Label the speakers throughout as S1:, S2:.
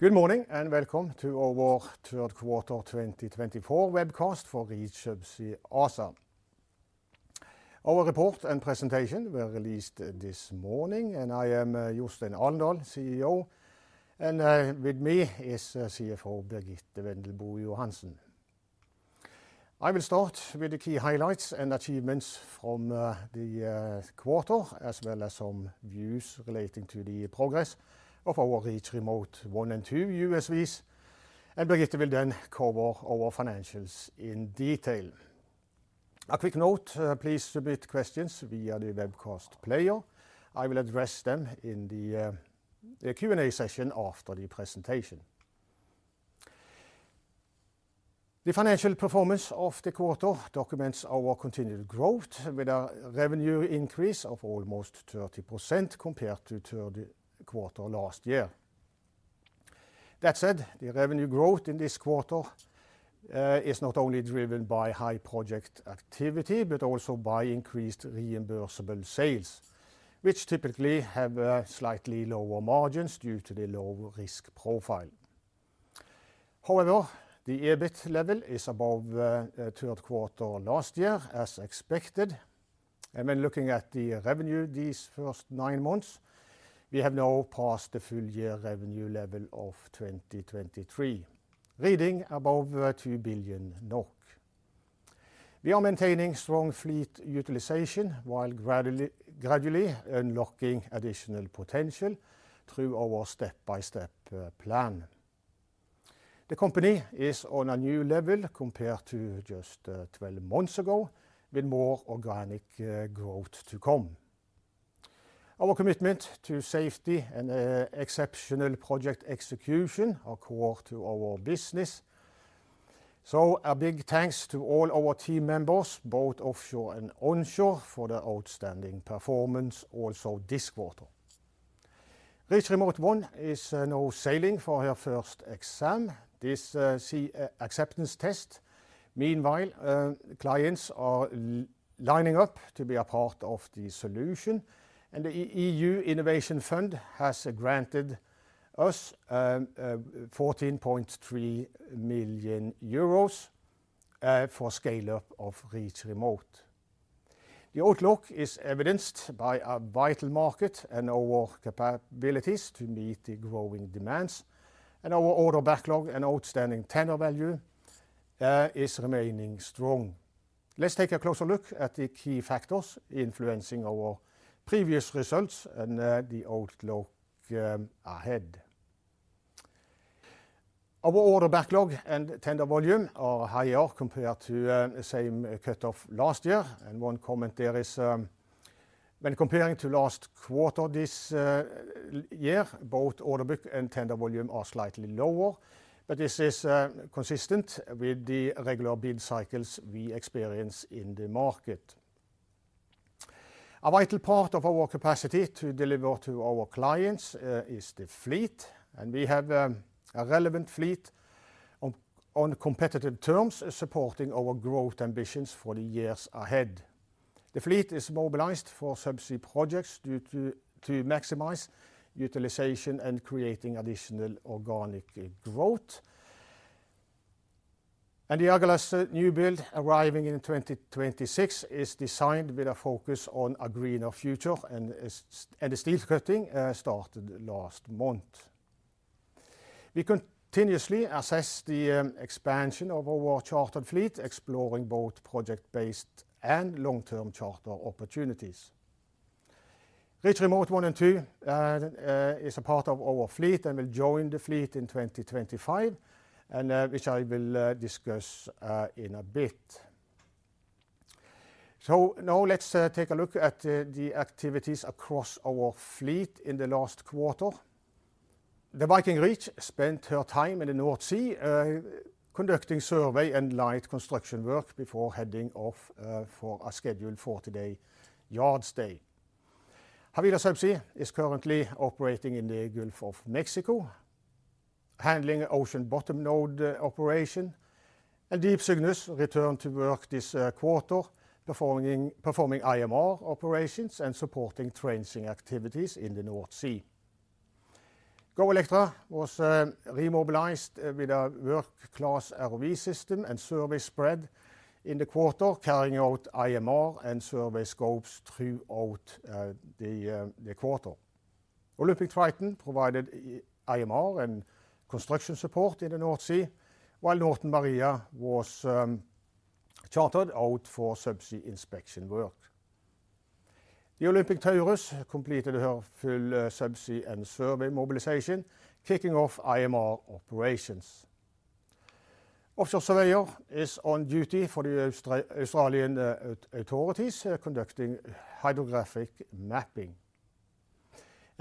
S1: Good morning and welcome to our Third Quarter 2024 webcast for Reach Subsea ASA. Our report and presentation were released this morning, and I am Jostein Alendal, Chief Executive Officer, and with me is Chief Financial Officer Birgitte Wendelbo Johansen. I will start with the key highlights and achievements from the quarter, as well as some views relating to the progress of our Reach Remote 1 and 2 USVs, and Birgitte will then cover our financials in detail. A quick note: please submit questions via the webcast player. I will address them in the Q&A session after the presentation. The financial performance of the quarter documents our continued growth with a revenue increase of almost 30% compared to the third quarter last year. That said, the revenue growth in this quarter is not only driven by high project activity but also by increased reimbursable sales, which typically have slightly lower margins due to the low risk profile. However, the EBIT level is above the third quarter last year, as expected, and when looking at the revenue these first nine months, we have now passed the full year revenue level of 2023, reaching above 2 billion NOK. We are maintaining strong fleet utilization while gradually unlocking additional potential through our step-by-step plan. The company is on a new level compared to just 12 months ago, with more organic growth to come. Our commitment to safety and exceptional project execution are core to our business, so a big thanks to all our team members, both offshore and onshore, for the outstanding performance also this quarter. Reach Remote 1 is now sailing for her first exam, this acceptance test. Meanwhile, clients are lining up to be a part of the solution, and the EU Innovation Fund has granted us 14.3 million euros for scale-up of Reach Remote. The outlook is evidenced by a vital market and our capabilities to meet the growing demands, and our order backlog and outstanding tender value are remaining strong. Let's take a closer look at the key factors influencing our previous results and the outlook ahead. Our order backlog and tender volume are higher compared to the same cut-off last year, and one comment there is, when comparing to last quarter this year, both order book and tenor volume are slightly lower, but this is consistent with the regular bid cycles we experience in the market. A vital part of our capacity to deliver to our clients is the fleet, and we have a relevant fleet on competitive terms, supporting our growth ambitions for the years ahead. The fleet is mobilized for subsea projects to maximize utilization and creating additional organic growth, and the Agalas new build arriving in 2026 is designed with a focus on a greener future, and the steel cutting started last month. We continuously assess the expansion of our chartered fleet, exploring both project-based and long-term charter opportunities. Reach Remote 1 and 2 is a part of our fleet and will join the fleet in 2025, which I will discuss in a bit, so now let's take a look at the activities across our fleet in the last quarter. The Viking Reach spent her time in the North Sea conducting survey and light construction work before heading off for a scheduled 40-day yard stay. Havila Subsea is currently operating in the Gulf of Mexico, handling ocean bottom node operation, and Deep Cygnus returned to work this quarter, performing IMR operations and supporting trenching activities in the North Sea. GO Electra was remobilized with a work-class ROV system and service spread in the quarter, carrying out IMR and service scopes throughout the quarter. Olympic Triton provided IMR and construction support in the North Sea, while Northern Maria was chartered out for subsea inspection work. The Olympic Taurus completed her full subsea and survey mobilization, kicking off IMR operations. Offshore Surveyor is on duty for the Australian authorities, conducting hydrographic mapping.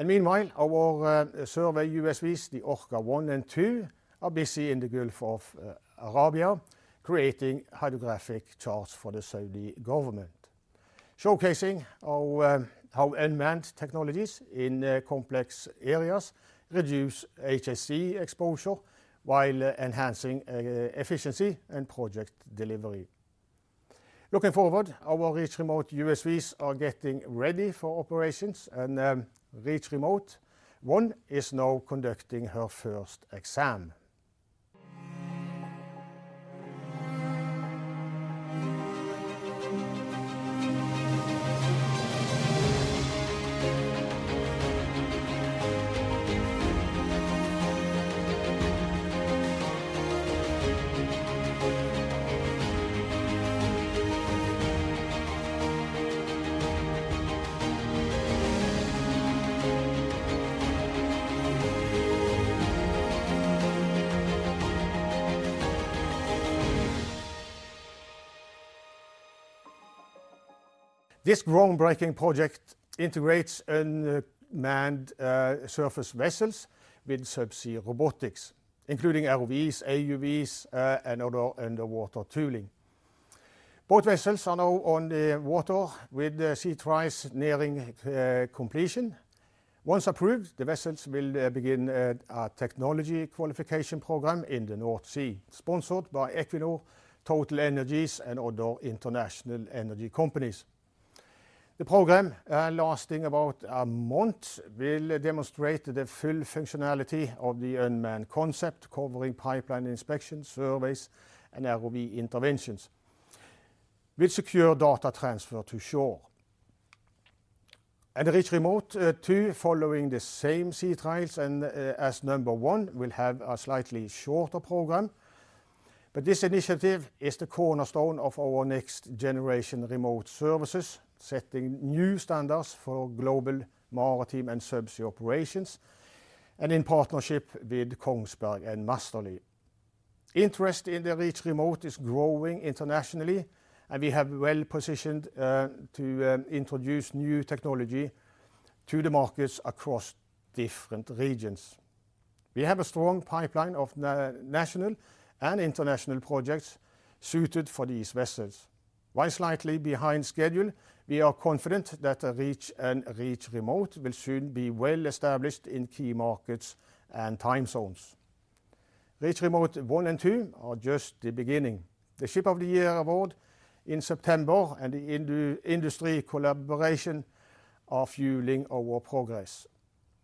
S1: Meanwhile, our survey USVs, the Orca 1 and 2, are busy in the Gulf of Arabia, creating hydrographic charts for the Saudi government, showcasing how unmanned technologies in complex areas reduce HSE exposure while enhancing efficiency and project delivery. Looking forward, our Reach Remote USVs are getting ready for operations, and Reach Remote 1 is now conducting her first exam. This groundbreaking project integrates unmanned surface vessels with subsea robotics, including ROVs, AUVs, and other underwater tooling. Both vessels are now on the water with sea trials nearing completion. Once approved, the vessels will begin a technology qualification program in the North Sea, sponsored by Equinor, TotalEnergies, and other international energy companies. The program, lasting about a month, will demonstrate the full functionality of the unmanned concept, covering pipeline inspection, surveys, and ROV interventions, with secure data transfer to shore. Reach Remote 2, following the same sea trials as number one, will have a slightly shorter program. This initiative is the cornerstone of our next generation remote services, setting new standards for global maritime and subsea operations, and in partnership with Kongsberg and Massterly. Interest in the Reach Remote is growing internationally, and we are well positioned to introduce new technology to the markets across different regions. We have a strong pipeline of national and international projects suited for these vessels. While slightly behind schedule, we are confident that Reach and Reach Remote will soon be well established in key markets and time zones. Reach Remote 1 and 2 are just the beginning. The Ship of the Year award in September and the industry collaboration are fueling our progress.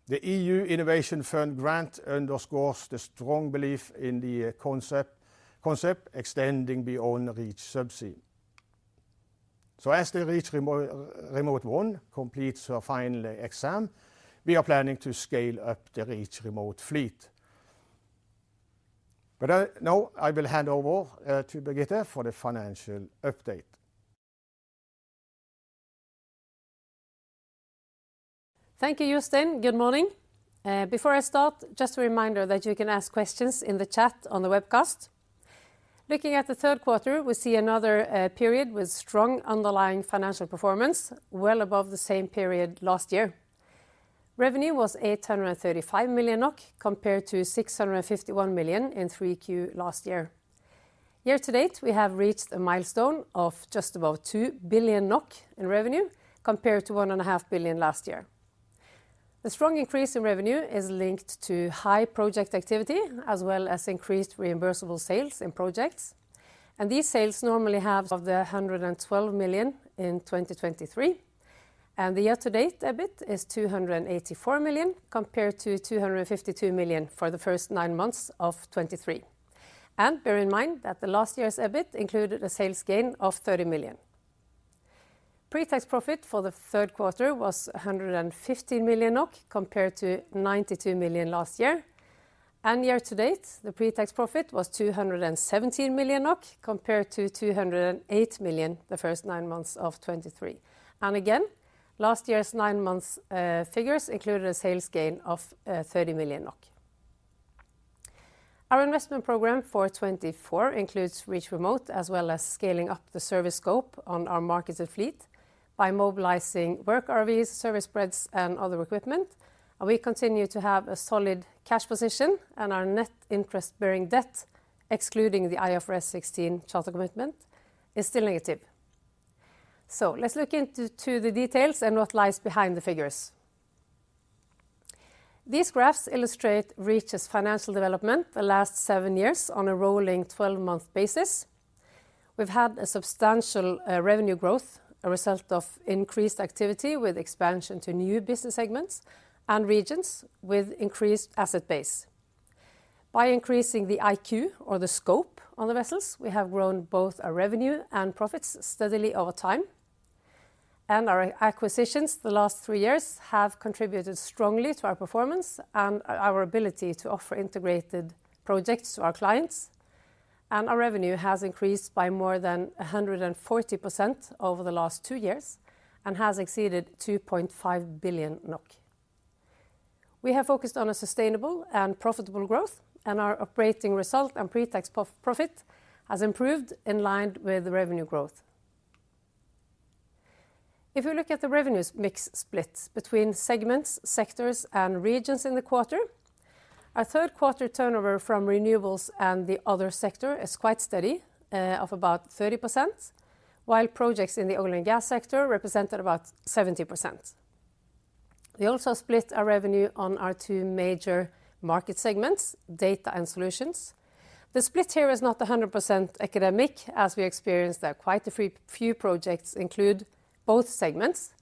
S1: The EU Innovation Fund grant underscores the strong belief in the concept extending beyond Reach Subsea. So as the Reach Remote 1 completes her final exam, we are planning to scale up the Reach Remote fleet. But now I will hand over to Birgitte for the financial update.
S2: Thank you, Jostein. Good morning. Before I start, just a reminder that you can ask questions in the chat on the webcast. Looking at the third quarter, we see another period with strong underlying financial performance, well above the same period last year. Revenue was 835 million NOK compared to 651 million in 3Q last year. Year to date, we have reached a milestone of just about 2 billion NOK in revenue compared to 1.5 billion last year. The strong increase in revenue is linked to high project activity as well as increased reimbursable sales in projects. And these sales normally have reached 112 million in 2023. And the year-to-date EBIT is 284 million compared to 252 million for the first nine months of 2023. And bear in mind that the last year's EBIT included a sales gain of 30 million. Pre-tax profit for the third quarter was 115 million NOK compared to 92 million last year, and year-to-date, the pre-tax profit was 217 million NOK compared to 208 million the first nine months of 2023, and again, last year's nine-month figures included a sales gain of 30 million NOK. Our investment program for 2024 includes Reach Remote as well as scaling up the service scope on our marketed fleet by mobilizing work ROVs, service spreads, and other equipment. We continue to have a solid cash position and our net interest-bearing debt, excluding the IFRS 16 charter commitment, is still negative, so let's look into the details and what lies behind the figures. These graphs illustrate Reach's financial development the last seven years on a rolling 12-month basis. We've had a substantial revenue growth as a result of increased activity with expansion to new business segments and regions with increased asset base. By increasing the IQ, or the scope on the vessels, we have grown both our revenue and profits steadily over time. And our acquisitions the last three years have contributed strongly to our performance and our ability to offer integrated projects to our clients. And our revenue has increased by more than 140% over the last two years and has exceeded 2.5 billion NOK. We have focused on a sustainable and profitable growth, and our operating result and pre-tax profit have improved in line with the revenue growth. If we look at the revenue mix split between segments, sectors, and regions in the quarter, our third quarter turnover from renewables and the other sector is quite steady of about 30%, while projects in the oil and gas sector represented about 70%. We also split our revenue on our two major market segments, data and solutions. The split here is not 100% academic, as we experience that quite a few projects include both segments.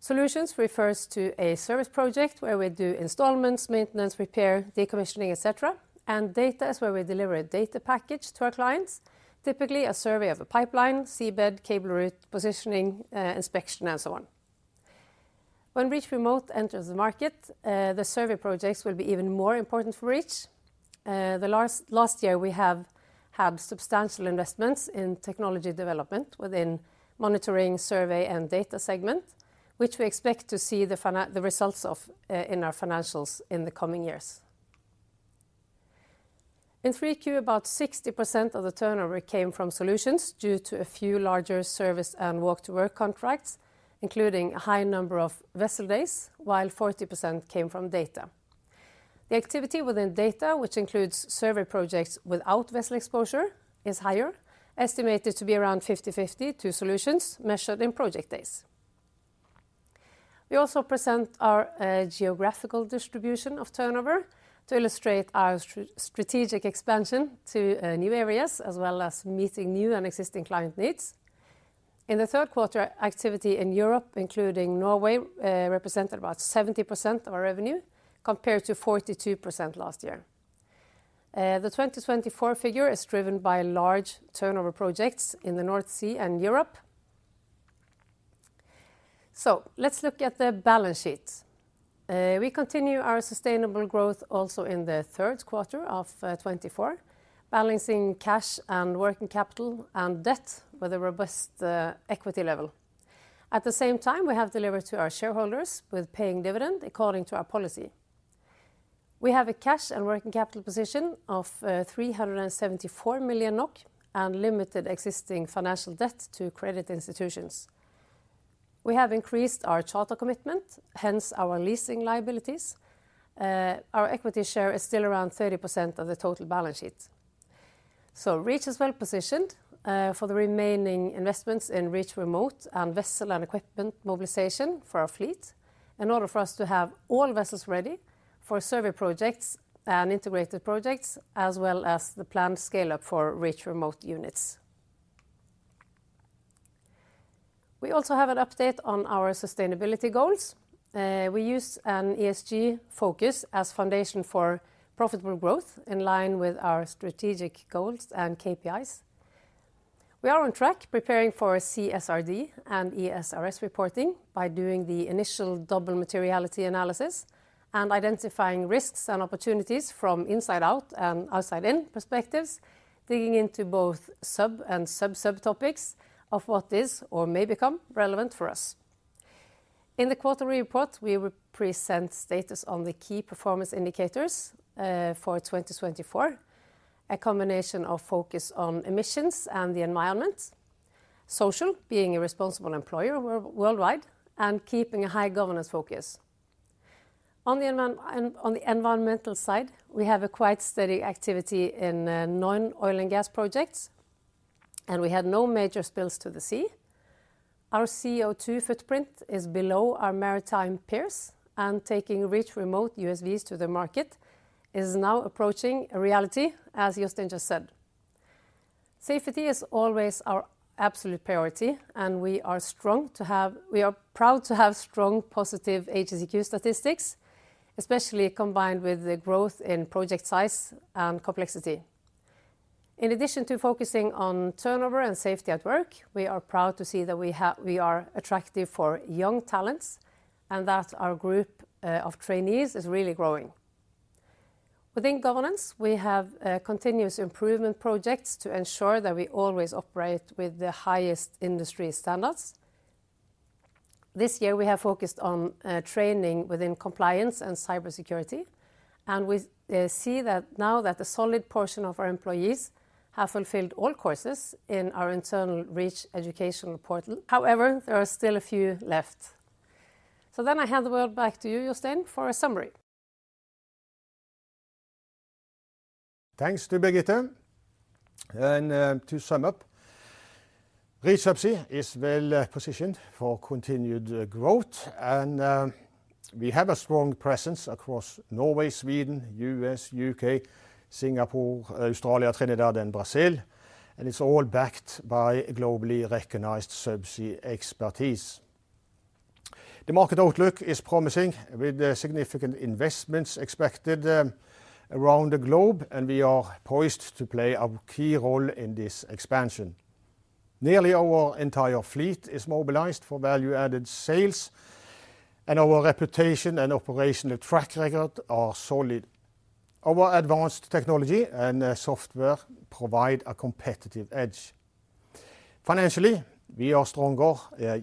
S2: Solutions refers to a service project where we do installments, maintenance, repair, decommissioning, etc., and data is where we deliver a data package to our clients, typically a survey of a pipeline, seabed, cable route positioning, inspection, and so on. When Reach Remote enters the market, the survey projects will be even more important for Reach. The last year, we have had substantial investments in technology development within monitoring, survey, and data segment, which we expect to see the results of in our financials in the coming years. In 3Q, about 60% of the turnover came from solutions due to a few larger service and walk-to-work contracts, including a high number of vessel days, while 40% came from data. The activity within data, which includes survey projects without vessel exposure, is higher, estimated to be around 50/50 to solutions measured in project days. We also present our geographical distribution of turnover to illustrate our strategic expansion to new areas as well as meeting new and existing client needs. In the third quarter, activity in Europe, including Norway, represented about 70% of our revenue compared to 42% last year. The 2024 figure is driven by large turnover projects in the North Sea and Europe. Let's look at the balance sheet. We continue our sustainable growth also in the third quarter of 2024, balancing cash and working capital and debt with a robust equity level. At the same time, we have delivered to our shareholders with paying dividend according to our policy. We have a cash and working capital position of 374 million NOK and limited existing financial debt to credit institutions. We have increased our charter commitment, hence our leasing liabilities. Our equity share is still around 30% of the total balance sheet. Reach is well positioned for the remaining investments in Reach Remote and vessel and equipment mobilization for our fleet in order for us to have all vessels ready for survey projects and integrated projects, as well as the planned scale-up for Reach Remote units. We also have an update on our sustainability goals. We use an ESG focus as foundation for profitable growth in line with our strategic goals and KPIs. We are on track preparing for CSRD and ESRS reporting by doing the initial double materiality analysis and identifying risks and opportunities from inside-out and outside-in perspectives, digging into both sub and sub-sub topics of what is or may become relevant for us. In the quarterly report, we present status on the key performance indicators for 2024, a combination of focus on emissions and the environment, social being a responsible employer worldwide and keeping a high governance focus. On the environmental side, we have a quite steady activity in non-oil and gas projects, and we had no major spills to the sea. Our CO2 footprint is below our maritime peers, and taking Reach Remote USVs to the market is now approaching a reality, as Jostein just said. Safety is always our absolute priority, and we are proud to have strong positive HSEQ statistics, especially combined with the growth in project size and complexity. In addition to focusing on turnover and safety at work, we are proud to see that we are attractive for young talents and that our group of trainees is really growing. Within governance, we have continuous improvement projects to ensure that we always operate with the highest industry standards. This year, we have focused on training within compliance and cybersecurity, and we see that now that a solid portion of our employees have fulfilled all courses in our internal Reach educational portal. However, there are still a few left. So then I hand the word back to you, Jostein, for a summary.
S1: Thanks to Birgitte. To sum up, Reach Subsea is well positioned for continued growth, and we have a strong presence across Norway, Sweden, the U.S., the U.K., Singapore, Australia, Trinidad, and Brazil. It's all backed by globally recognized subsea expertise. The market outlook is promising with significant investments expected around the globe, and we are poised to play a key role in this expansion. Nearly our entire fleet is mobilized for value-added sales, and our reputation and operational track record are solid. Our advanced technology and software provide a competitive edge. Financially, we are stronger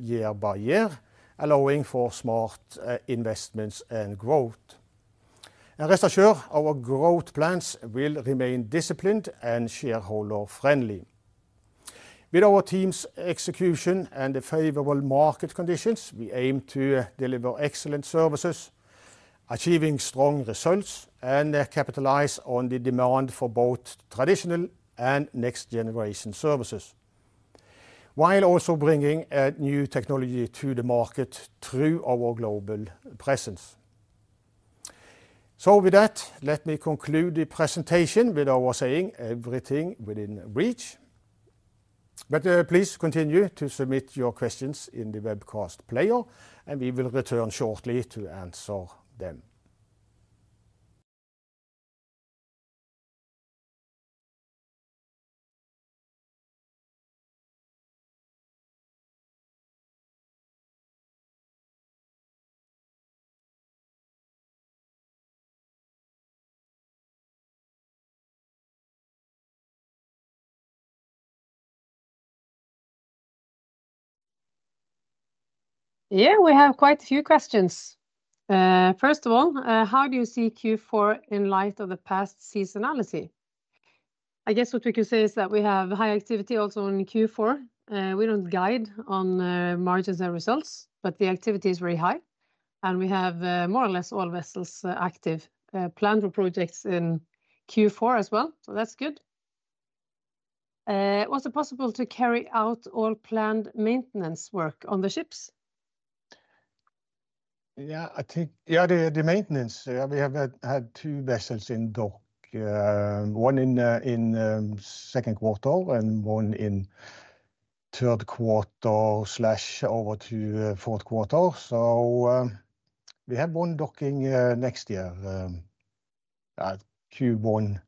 S1: year by year, allowing for smart investments and growth. Rest assured, our growth plans will remain disciplined and shareholder-friendly. With our team's execution and favorable market conditions, we aim to deliver excellent services, achieving strong results and capitalize on the demand for both traditional and next-generation services, while also bringing new technology to the market through our global presence. So with that, let me conclude the presentation with our saying, "Everything within reach." But please continue to submit your questions in the webcast player, and we will return shortly to answer them. Yeah, we have quite a few questions. First of all, how do you see Q4 in light of the past seasonality? I guess what we could say is that we have high activity also in Q4. We don't guide on margins and results, but the activity is very high, and we have more or less all vessels active. Planned for projects in Q4 as well, so that's good. Was it possible to carry out all planned maintenance work on the ships? Yeah, I think, yeah, the maintenance, we have had two vessels in dock, one in the second quarter and one in third quarter slash over to fourth quarter. So we have one docking next year, Q1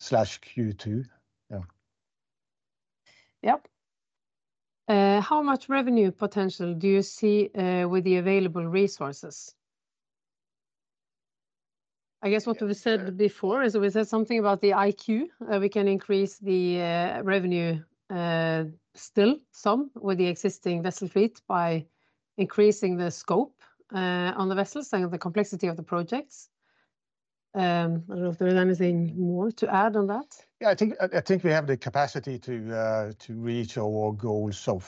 S1: slash Q2. Yeah. Yep. How much revenue potential do you see with the available resources? I guess what we said before is we said something about the IMR. We can increase the revenue still some with the existing vessel fleet by increasing the scope on the vessels and the complexity of the projects. I don't know if there is anything more to add on that. Yeah, I think we have the capacity to reach our goals of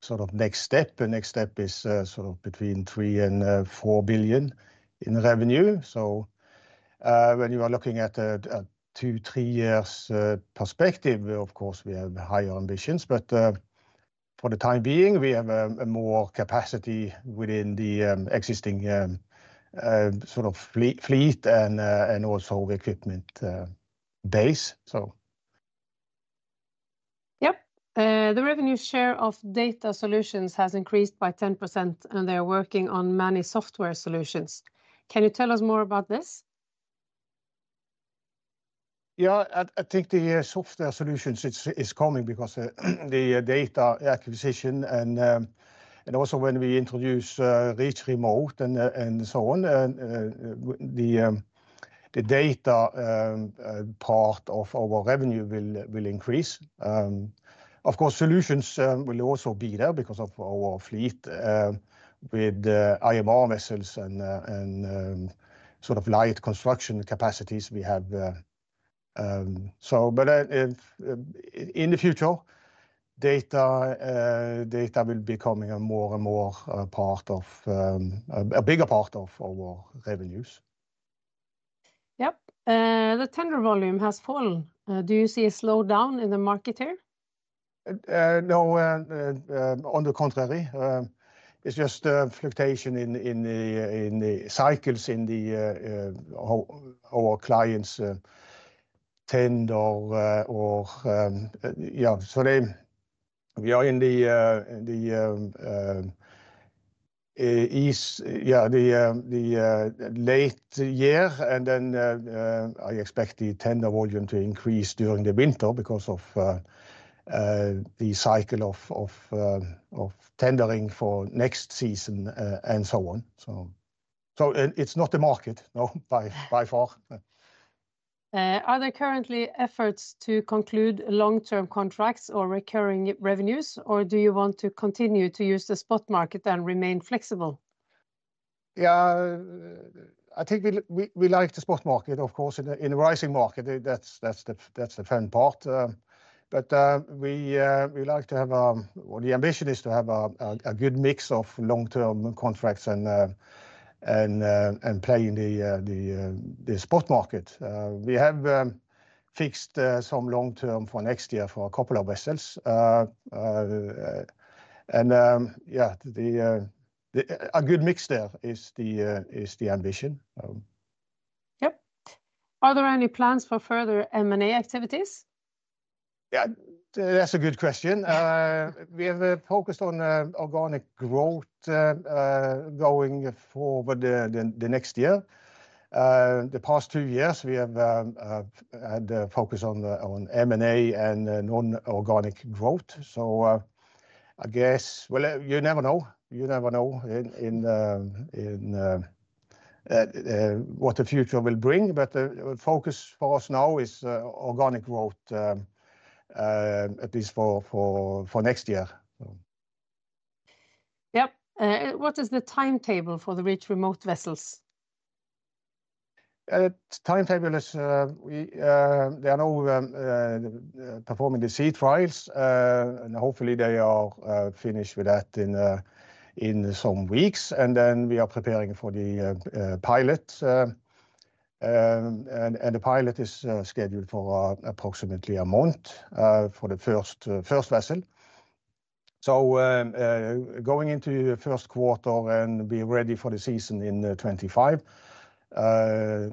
S1: sort of next step. Next step is sort of between 3 billion and 4 billion in revenue. So when you are looking at a two, three years perspective, of course, we have higher ambitions, but for the time being, we have more capacity within the existing sort of fleet and also the equipment base, so. Yep. The revenue share of data solutions has increased by 10%, and they are working on many software solutions. Can you tell us more about this? Yeah, I think the software solutions is coming because the data acquisition and also when we introduce Reach Remote and so on, the data part of our revenue will increase. Of course, solutions will also be there because of our fleet with IMR vessels and sort of light construction capacities we have. So, but in the future, data will be coming more and more part of a bigger part of our revenues. Yep. The tender volume has fallen. Do you see a slowdown in the market here? No, on the contrary. It's just fluctuation in the cycles in our clients' tenders, so we are in these late in the year, and then I expect the tender volume to increase during the winter because of the cycle of tendering for next season and so on. So it's not the market, no, by far. Are there currently efforts to conclude long-term contracts or recurring revenues, or do you want to continue to use the spot market and remain flexible? Yeah, I think we like the spot market, of course, in a rising market. That's the fun part. But we like to have a, or the ambition is to have a good mix of long-term contracts and play in the spot market. We have fixed some long-term for next year for a couple of vessels, and yeah, a good mix there is the ambition. Yep. Are there any plans for further M&A activities? Yeah, that's a good question. We have focused on organic growth going forward the next year. The past two years, we have had a focus on M&A and non-organic growth. So I guess, well, you never know. You never know what the future will bring, but the focus for us now is organic growth, at least for next year. Yep. What is the timetable for the Reach Remote vessels? Timetable is, we are now performing the sea trials, and hopefully they are finished with that in some weeks. And then we are preparing for the pilot. And the pilot is scheduled for approximately a month for the first vessel. So going into the first quarter and be ready for the season in 2025.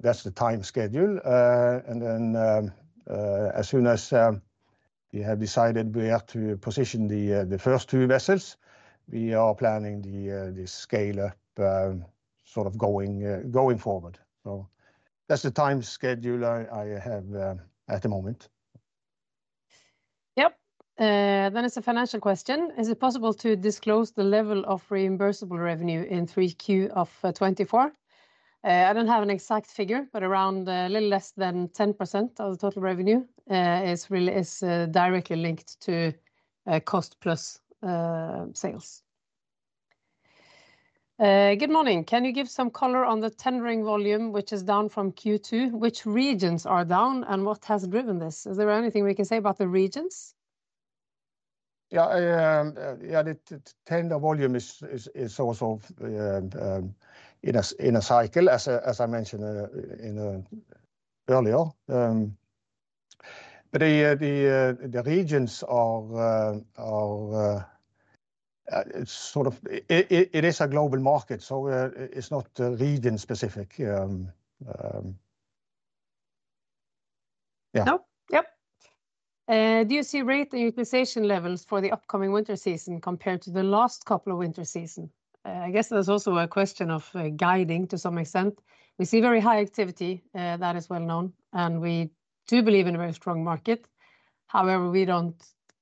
S1: That's the time schedule. And then as soon as we have decided where to position the first two vessels, we are planning the scale-up sort of going forward. So that's the time schedule I have at the moment. Yep, then it's a financial question. Is it possible to disclose the level of reimbursable revenue in 3Q of 2024? I don't have an exact figure, but around a little less than 10% of the total revenue is directly linked to cost plus sales. Good morning. Can you give some color on the tendering volume, which is down from Q2? Which regions are down and what has driven this? Is there anything we can say about the regions? Yeah, yeah, the tender volume is also in a cycle, as I mentioned earlier. But the regions are sort of, it is a global market, so it's not region-specific. Yeah. Nope. Yep. Do you see rate and utilization levels for the upcoming winter season compared to the last couple of winter seasons? I guess that's also a question of guiding to some extent. We see very high activity. That is well known, and we do believe in a very strong market. However, we don't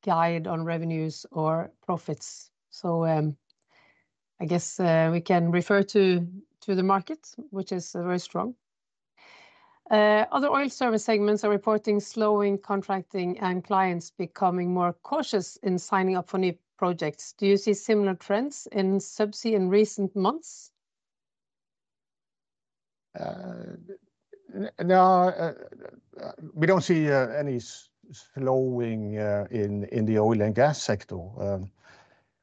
S1: guide on revenues or profits. So I guess we can refer to the market, which is very strong. Other oil service segments are reporting slowing contracting and clients becoming more cautious in signing up for new projects. Do you see similar trends in subsea in recent months? We don't see any slowing in the oil and gas sector.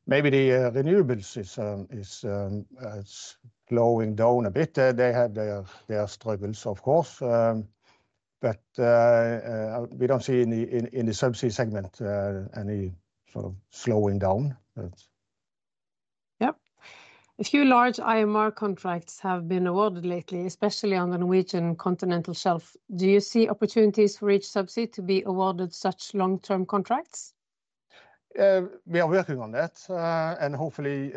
S1: Maybe the renewables is slowing down a bit. They have their struggles, of course. But we don't see in the subsea segment any sort of slowing down. Yep. A few large IMR contracts have been awarded lately, especially on the Norwegian Continental Shelf. Do you see opportunities for Reach Subsea to be awarded such long-term contracts? We are working on that. And hopefully,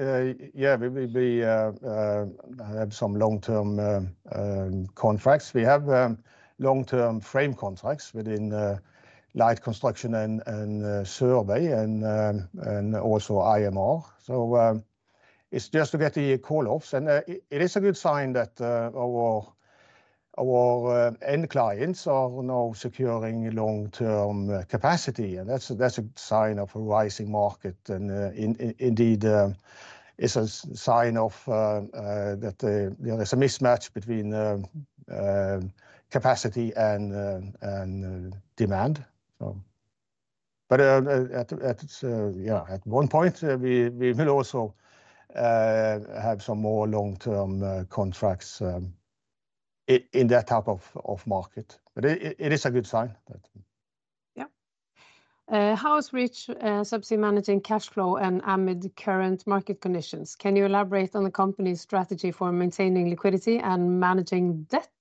S1: yeah, we will have some long-term contracts. We have long-term frame contracts within light construction and survey and also IMR. So it's just to get the call-offs. And it is a good sign that our end clients are now securing long-term capacity. And that's a sign of a rising market. And indeed, it's a sign that there is a mismatch between capacity and demand. But at one point, we will also have some more long-term contracts in that type of market. But it is a good sign. Yep. How is Reach Subsea managing cash flow and amid current market conditions? Can you elaborate on the company's strategy for maintaining liquidity and managing debt?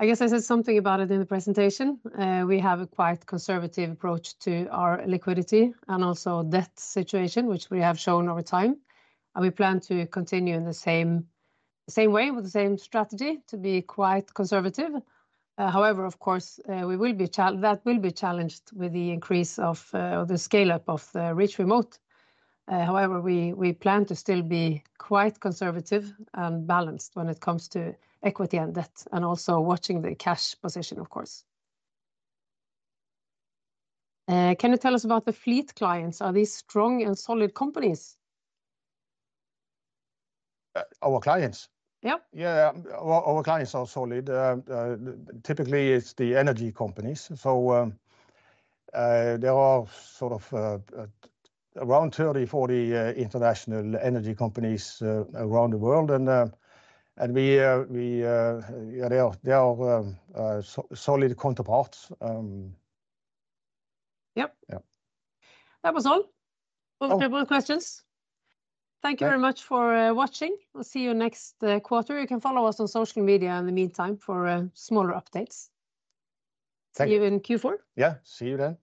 S1: I guess I said something about it in the presentation. We have a quite conservative approach to our liquidity and also debt situation, which we have shown over time. And we plan to continue in the same way with the same strategy to be quite conservative. However, of course, that will be challenged with the increase of the scale-up of the Reach Remote. However, we plan to still be quite conservative and balanced when it comes to equity and debt and also watching the cash position, of course. Can you tell us about the fleet clients? Are these strong and solid companies? Our clients? Yep. Yeah, our clients are solid. Typically, it's the energy companies. So there are sort of around 30-40 international energy companies around the world. And they are solid counterparts. Yep. That was all. We'll have more questions. Thank you very much for watching. We'll see you next quarter. You can follow us on social media in the meantime for smaller updates. See you in Q4. Yeah, see you then.